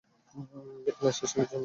এখানে এসেছেন কিজন্য আপনি?